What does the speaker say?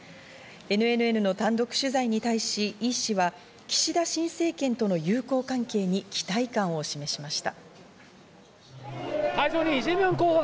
ＮＮＮの単独取材に対し、イ氏は岸田新政権との友好関係に期待感を示しました。